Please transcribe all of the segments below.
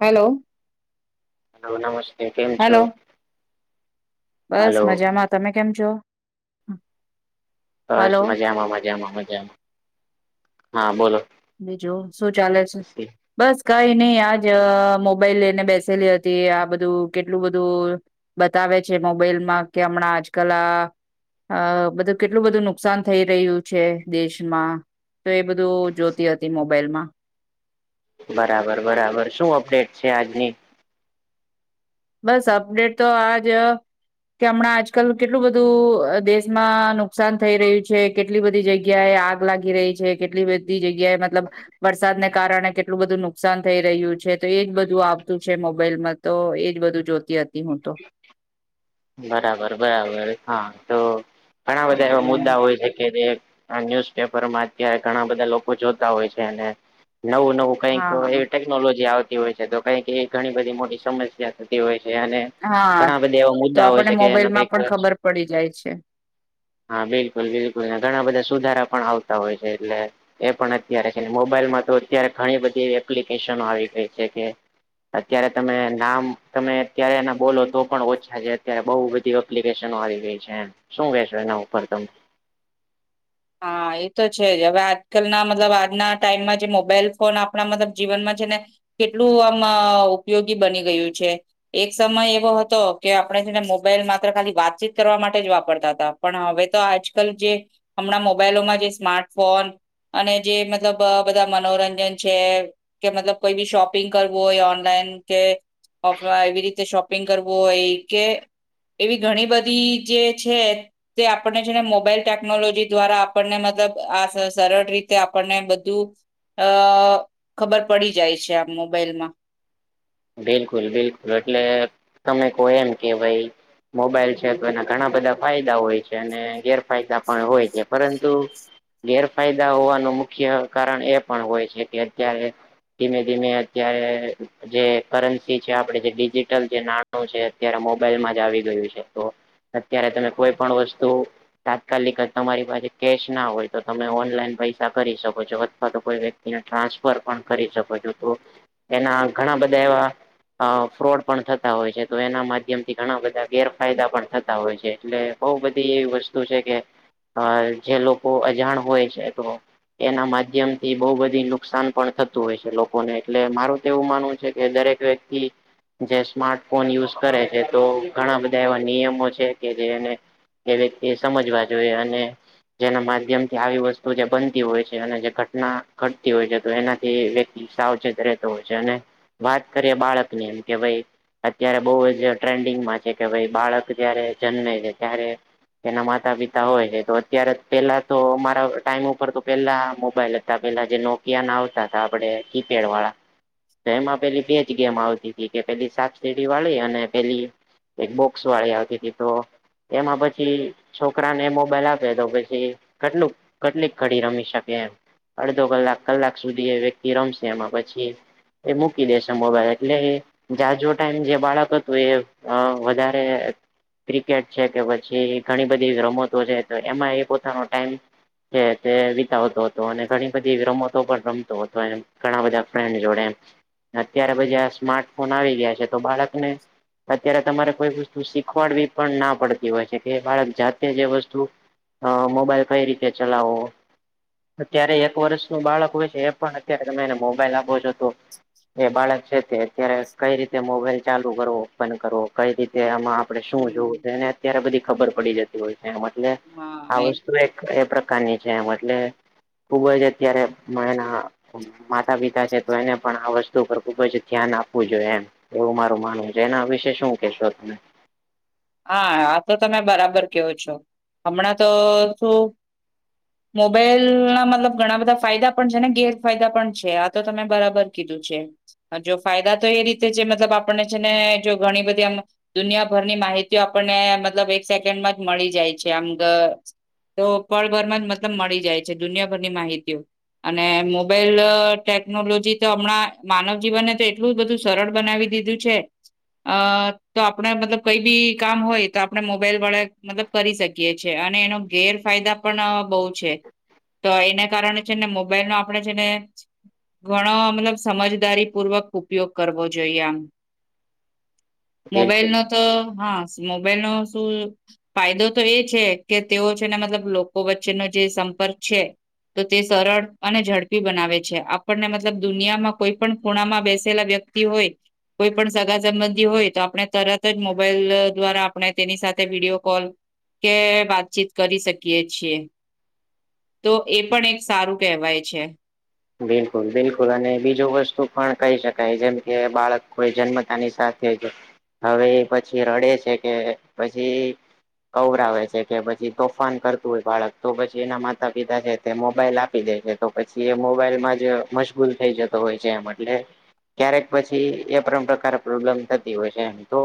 Hello. Hello નમસ્તે કેમ છો હેલો બસ હલો મજામાં તમે કેમ છો? બસ હલો મજામાં-મજામાં-મજામાં. હા બોલો. બીજું શું ચાલે છે? બસ કઈ નઈ આજ મોબાઈલ લઈને બેસેલી હતી આ બધું કેટલું બધું બતાવે છે મોબાઈલમાં કે હમણાં આજકાલ આ અ બધું કેટલું બધું નુકસાન થઈ રહ્યું છે દેશમાં તો એ બધું જો તી હતી મોબાઈલમાં. બરાબર-બરાબર. શું અપડેટ છે આજની? બસ અપડેટ તો આજ કે હમણાં આજકલ કેટલું બધું અહ દેશમાં નુકસાન થઈ રહ્યું છે. કેટલી બધી જગ્યા એ આગ લાગી રહી છે, કેટલી બધી જગ્યાએ મતલબ વરસાદને કારણે કેટલું બધું નુકસાન થઈ રહ્યું છે, તો એજ બધું આવતું છે મોબાઈલમાં તો એ એ બધું જોતી હતી હું તો. બરાબર-બરાબર, હા. તો ઘણા બધા એવા હમ મુદ્દા હોય છે કે જે આ ન્યુઝપેપર માં અત્યારે ઘણા બધા લોકો જોતા હોય છે, અને નવું-નવું કંઈક એ હા કરી ટેકનોલોજી આવતી હોય છે, તો કંઈક એ ઘણી બધી મોટી સમસ્યા થતી હોય છે, અને હા ઘણા બધા એવા [unintelligible] તો આપણને કે એનો કઈક મોબાઈલમાં પણ ખબર પડી જાય છે. હા, બિલકુલ-બિલકુલ. ને ઘણા બધા સુધારા પણ આવતા હોય છે, એટલે એ પણ અત્યારે કે ને, મોબાઈલમાં તો અત્યારે ઘણી બધી એવી એપ્લિકેશનો આવી ગઈ છે કે અત્યારે તમે નામ તમે અત્યારે એના બોલો તો પણ ઓછા છે. અત્યારે બઉ બધી એપ્લિકેશનો આવી ગઈ છે એમ. શું કહેશો એના ઉપર તમે? હા, એ તો છે જ. હવે આજકાલના મતલબ આજના ટાઈમમાં જે મોબાઈલ ફોન આપણા મતલબ જીવનમાં છે ને કેટલું આમ અહ ઉપયોગી બની ગયું છે. એક સમય એવો હતો કે આપણે છે ને મોબાઈલ માત્ર ખાલી વાતચીત કરવા માટે જ વાપરતા હતા. પણ હવે તો આજકાલ જે હમણાં મોબાઈલોમાં જે સ્માર્ટફોન અને જે મતલબ બધા મનોરંજન છે કે મતલબ કોઈ ભી શોપિંગ કરવું હોય, ઓનલાઈન કે [unintelligible] એવી રીતે શોપિંગ કરવું હોય કે એવી ઘણી બધી જે છે તે આપણને છે ને મોબાઈલ ટેકનોલોજી દ્વારા આપણને મતલબ આ સ સરળ રીતે આપણને બધું અહ ખબર પડી જાય છે આ મોબાઈલમાં. બિલકુલ-બિલકુલ, એટલે તમે કહો એમ કે ભઈ મોબાઈલ છે, તો એના ઘણા બધા ફાયદા હોય છે, અને ગેરફાયદા પણ હોય છે, પરંતુ ગેરફાયદા હોવાનું મુખ્ય કારણ એ પણ હોય છે કે અત્યારે ધીમે-ધીમે અત્યારે જે કરન્સી છે, આપણે જે ડિજિટલ જે નાણું છે અત્યારે મોબાઈલમાં જ આવી ગયું છે, તો અત્યારે તમે કોઈ પણ વસ્તુ તાત્કાલિક જ તમારી પાસે કેશ ના હોય તો તમે ઓનલાઈન પૈસા કરી શકો છો, અથવા તો કોઈ વ્યક્ ક્તિને ટ્રાન્સફર પણ કરી શકો છો. તો એના ઘણા બધા એવા અહ ફ્રોડ પણ થતા હોય છે, તો એના માધ્યમ થી ઘણા બધા ગેરફાયદા પણ થતા હોય છે, એટલે બહુ બધી એવી વસ્તુ છે કે અહ જે લોકો અજાણ હોય છે તો એના માધ્યમ થી બહુ બધી નુકસાન પણ થતું હોય છે લોકોને, એટલે મારું તો એવું માનવું છે કે દરેક વ્યક્તિ જે સ્માર્ટફોન યુઝ કરે છે તો ઘણા બધા એવા નિયમો છે કે જે એને એ વ્યક્તિ એ સમજવા જોઈએ. અને જેના માધ્યમ થી આવી વસ્તુ જે બનતી હોય છે, અને જે ઘટના ઘટતી હોય છે તો એનાથી વ્યક ઈ સાવચેત રહેતો હોય છે, અને વાત કરીએ બાળક ની કે ભઈ અત્યારે બહું જ ટ્રેન્ડિંગમાં છે કે ભાઈ બાળક જયારે જન્મે છે ત્યારે એના માતા પિતા હોય, એ તો અત્યારે જ, પેલા તો અમારા ટાઈમ ઉપર તો પેલા મોબાઈલ પેલા જે નોકિયા ના આવતા હતા આપણે કીપેડ વાળા એમાં. પેલી બેજ ગેમ આવતી હતી કે પેલી સાપ સીડી વાળી અને પેલી એક બોક્સ વાળી આવતી તી તો એમાં પછી છોકરાને મોબાઈલ આપે તો પછી કેટલું કેટલીક ઘડી રમી શકે એમ. અડધો કલાક, કલાક સુધી એ વ્યક્તિ રમશે એમાં પછી, એ મૂક કી દેશે મોબાઈલ એટલે જાજો ટાઈમ જે બાળક હતું એ વધારે. ક્રિકેટ છે કે પછી ઘણી બધી રમતો છે તો એમાં એ પોતાનો ટાઈમ. તે વિતાવતો હતો અને ઘણી બધી રમતો પણ રમતો હતો એમ ઘણા બધા ફ્રેન્ડ જોડે એમ. અત્યારે પછી આ સ્માર્ટફોન આવી ગયા છે તો બાળકને અત્યારે તમારે કોઈ પ શીખવાડવી પણ ના પડતી હોય છે કે બાળક જાતે જે વસ્તુ. હ મોબાઈલ કઈ રીતે ચલાવવો. અત્યારે એક વર્ષ ન બાળક હોય છે એ પણ અત્યારે તમે એને મોબાઈલ આપો જો તો. એ બાળક છે તે અત્યારે કઈ રીતે મોબાઈલ ચાલુ કરવો બંધ કરવો. કઈ રીતે આમાં આપડે શું હમ જોવું એને અત્યારે બધી ખબર પડી જતી. હોય છે મન લે આ હા એ વસ્તુ એક. એ પ્રકારની છે એમ એટલે ખુબ જ અત્યારે [unintelligible] ના. માતા પિતા છે તો એને પણ આ વર્ષ. વસ્તુ પર ખુબ જ ધ્યાન આપવું જોઈએ એમ એવું મારું માનવું છે એના વિશે શું કેહેશો તમે. હા આ તો તમે બરાબર કેવો છો હમણાં તો શું. મોબાઈલ ના મતલબ ઘણા બધા ફાયદા પણ છે ને ગેરફાયદા પણ છે આ તો તમે બરાબર કીધું છે. જો ફાયદા તો એ રીતે જે મતલબ આપણને છે ને જો ઘણી બધી આમ દુનિયાભરની માહિતી. આપણને મતલબ એક સેકન્ડમાં જ મળી જાય છે આમ તો પળભરમાં જ મતલબ મળી જાય છે દુનિયાભરની માહિતીઓ અને મોબાઈલ ટેકનોલોજી તો હમણાં માનવ જીવનને તો એટલું બધું સરળ બનાવી દીધું છે અ તો આપણે મતલબ કઈ બી કામ હોય તો આપણે મોબાઈલ વે મતલબ કરી શકીએ છીએ અને એનો ગેરફાયદા પણ બહુ છે. તો એને કારણે છે ને મોબાઈલ નો આપડણે છે ને ઘણો મતલબ સમજદારી પૂર્વક ઉપયોગ કરવો જોઈએ આમ મોબાઈલ બિલકુલ નો તો હા મોબાઈલ નો શું ફાયદો તો એ છે કે તેઓ છે ને મતલબ લોકો વચ્ચેનો જે સંપર્ક છે. તો તે સરળ અને ઝડપી બનાવે છે આપણને મતલબ દુનિયામાં કોઈ પણ ખૂણામાં બેસેલા વ્યક્તિ હોય કોઈ પણ સગા સંબંધી હોય તો આપણે તરત જ મોબાઈલ દ્વારા આપણે તેની સાથે વિડીયો કોલ કે વાતચીત કરી શકીએ છીએ. તો એ પણ એક સારું કહેવાય છે. બિલકુલ બિલકુલ અને બીજું વસ્તુ પણ કહી શકાય જેમ કે બાળક કોઈ જન્મતાની સાથે જ હવે પછી રડે છે કે પછી કવરાવે છે કે પછી તોફાન કરતું હોય બાળક તો પછી એના માતા પિતા છે તે મોબાઈલ આપી દે છે. તો પછી એ મોબાઈલ માં જ મશગૂલ થઈ જતો હોય છે એમ એટલે ક્યારેક પછી એ પણ પ્રકારે પ્રોબ્લેમ થતી હોય છે તો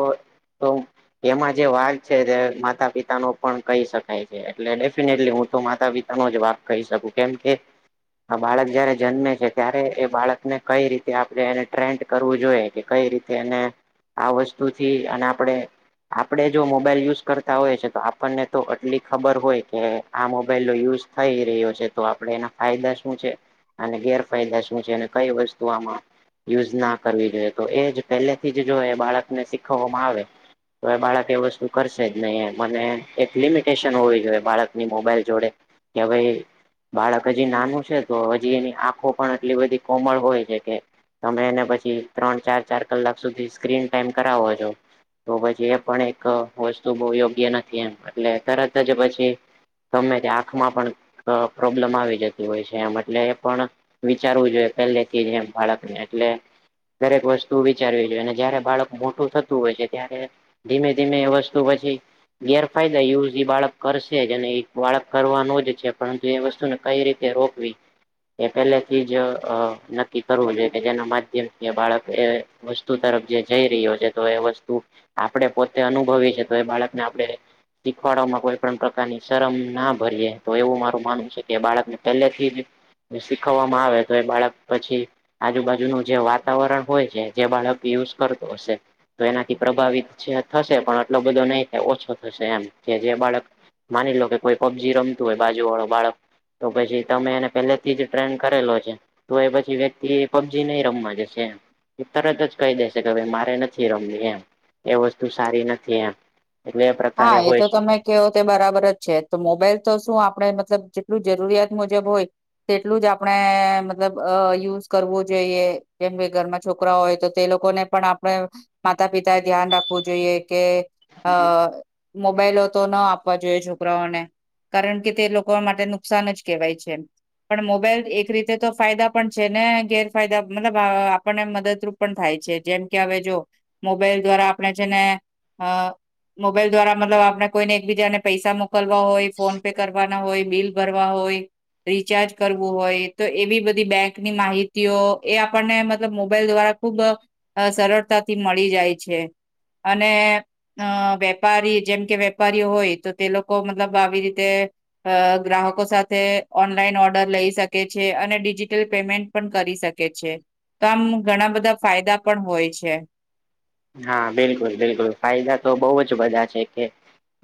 એમાં જે વાઘ છે તે માતા પિતા નો પણ કહી શકાય છે એટલે ડેફિનેટલી હું તો માતા પિતા ન જવાબ કહી શકું કેમ કે આ બાળક જયારે જન્મે છે ત્યારે એ બાળકને કઈ રીતે આપણે એને ટ્રેન્ડ કરવું જોઈએ કે કઈ રીતે એને આ વસ્તુ થી અને આપડે આપણેે જો મોબાઈલ યુઝ કરતા હોય છે તો આપણને તો આટલી ખબર હોય કે આ મોબાઈલ ન યુઝ થઈ રહ્યો છે તો આપડે એના ફાયદા શું છે અને ગેરફાયદા શું છે અને કઈ વસ્તુ આમાં યુઝ ના કરવી જોઈએ તો એ જ પહેલેથી જ જો એ બાળકને શીખવવામાં આવે તો બાળક એ વસ્તુ કરશે જ નહી એ મને એક લિમિટેશન હોવી જોઈએ બાળકની મોબાઈલ જોડે. કે ભાઈ બાળક હજી નાનું છે તો જે એની આંખો પણ એટલી બધી કોમળ હોય છે કે તમે એને પછી ત્રણ ચાર ચાર કલાક સુધી સ્ક્રીન ટાઈમ કરાવો છો. તો પછી એ પણ એક વસ્તુ બહુ યોગ્ય નથી એમ એટલે તરત જ પછી ગમે તે્યા આંખમાં પણ પ્રોબ્લેમ આવી જતી હોય છે એમ એટલે એ પણ વિચારવું જોઈએ પેલે થી જ એમ બાળકને એટલે દરેક વસ્તુ વિચારવી જોઈએ અને જયારે બાળક મોટું થતું હોય છે ત્યારે ધીમે ધીમે વસ્તુ પછી ગેરફાયદા યુઝ એ બાળક કરશે જ અને બાળક કરવાનો જ છે પરંતુ એ વસ્તુને કઈ રીતે એરોપવી એ પહેલેથી જ નક્કી કરવું જોઈએ કે જેના માધ્યમથી બાળક એ વસ્તુ તરફ જે જઈ રહ્યો છે તો એ વસ્તુ આપડણે પોતે અનુભવી છે તો એ બાળકને આપણે શીખવાડવાવામાં કોઈ પણ પ્રકારની શરમ ના ભરીએે તો એવું મારું માનવું છે કે બાળકને પહેલેથી જ શીખવવામાં આવે તો એ બાળક પછી આજુબાજુનું જે વાતાવરણ હોય છે જે બાળક યુઝ કરતો હશે તો એનાથી પ્રભાવિત છે થશે પણ આટલો બધો નહીં થાય ઓછો થશે એમ કે જે બાળક માની લો કે કોઈ પબજી રમતું હોય બાજુ વાળું બાળક તો પછી તમે એને પેલે ટ્રેન કરેલો છે તો એ પછી વ્યક્તિ પબજી નહી રમવા જશે તરત જ કહી દેશે કે ભાઈ મારે નથી રમતી એમ એ વસ્તુ સારી નથી એમ એટલે એ પ્રકારે હા એ હોય તો છે તમે કે તે બરાબર જ છે તો મોબાઈલ તો શું આપણે મતલબ જેટલું જરૂરિયાત મુજબ હોય તેટલું જ આપણે મતલબ અ યુઝ કરવું જોઈએ જેમ કે ઘરમાં છોકરાઓ હોય તો તે લોકોને પણ આપણે માતા પિતા એ ધ્યાન રાખવું જોઈએ કે અ મોબાઈલો તો ન આપવા જોઈએ છોકરાઓને કારણ કે તે લોકો માટે નુકસાન જ કેહેવાય છે એ પણ મોબાઈલ એક રીતે તો ફાયદા પણ છે ને ગેરફાયદા મતલબ આપણને મદદરૂપ પણ થાય છે જેમ કે હવે જો મોબાઈલ દ્વારા આપણે જેને અ મોબાઈલ દ્વારા મતલબ આપણે કોઈને એકબીજાને પૈસા મોકલવા હોય ફોન પે કરવાના હોય બિલ ભરવા હોય રિચાર્જ કરવું હોય તો એવી બધી બેંકની માહિતીઓ એ આપણને મતલબ મોબાઈલ દ્વારા ખુબ સરળતાથી મળી જાય છે અને વેપારી જેમ કે વેપારીઓ હોય તો તે લોકો મતલબ આવી રીતે અ ગ્રાહકો સાથે ઓનલાઈન ઓર્ડર લઈ શકે છે અને ડિજિટલ પેમેન્ટ પણ કરી શકે છે તો આમ ઘણા બધા ફાયદા પણ હોય છે હા બિલકુલ બિલકુલ ફાયદા તો બઉુ જ બધા છે કે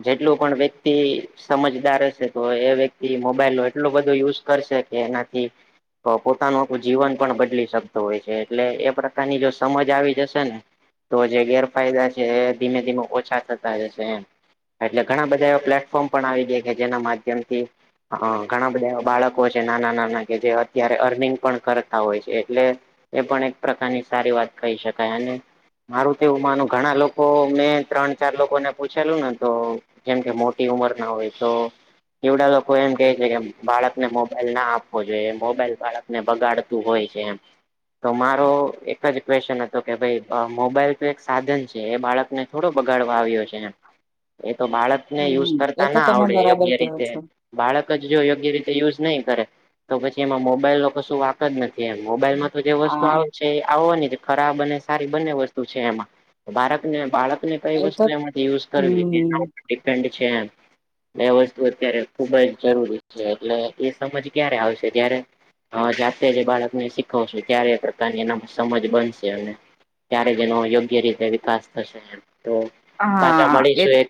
જેટલું પણ વ્યક્તિ સમજદાર હશે તો એ વ્યક્તિ મોબાઈલ ન એટલોું બધો યુઝ કરશે કે એનાથી તો પોતાનું આું જીવન પણ બદલી શકતું હોય છે એટલે એ પ્રકારની જો સમજ આવી જશે ને તો જે ગેરફાયદા છે એ ધીમે ધીમે ઓછા થતા જશે એમ એટલે ઘણા બધા એવા પ્લેટફોર્મ પણ આવી ગયા કે જેના માધ્યમથી હ ઘણા બધા એવા બાળકો છે નાના નાના કે જે અત્યારે અર્નિંગ પણ કરતા હોય છે એટલે એ પણ એક પ્રકારની સારી વાત કહી શકાય અને મારું તો એવું માનું ઘણા લોકો મેં ત્રણ ચાર લોકો ને પૂછેલું ને તો જેમ કે મોટી ઉંમર ના હોય તો એવડા લોકો એમ કે છે કે બાળકને મોબાઈલ ના આપવો જોઈએ મોબાઈલ બાળક ને બગાડતું હોય છે એમ તો મારો એક જ ક્વેશન હતો કે ભાઈ મોબાઈલ તો એક સાધન છે એ બાળક ને થોડો બગાડવા આવ્યો છે એ તો બાળક ને યુઝ હમ એ કરતા તો ના તમે આવડે બરાબર યોગ્ય કેવો રીતે છો બાળક જ જો યોગ્ય રીતે યુઝ નહીં કરે તો પછી એમાં મોબાઈલ ન કશું વાક જ નથી એમ મોબાઈલમાં તો જે વસ્તુ હા આવે છે આવવાનીને ખરાબ અને સારી બને બાકને બાળકને કઈ એ તો વસ્તુ એમાંથી યુઝ કરવી હમ ડિપેન્ડ છે, એમ એ વસ્તુ અત્યારે ખુબ જ જરૂરી છે એટલે એ સમજ ક્યારે આવશે ત્યારે હા જાતે જે બાળકને શીખવશે ત્યારે એ પ્રકારની એના સમજ બનશે અને ત્યારે જેનો યોગ્ય રીતે વિકાસ થશે તો પાછા હા એ મળીશું એક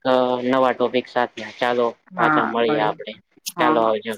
નવા ટોપિક સાથે ચાલો હા પાછા મળીએ મળે આપડે હા ચાલો હા આવજો